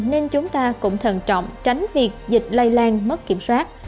nên chúng ta cũng thần trọng tránh việc dịch lây lan mất kiểm soát